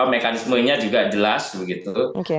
mekanismenya juga jelas begitu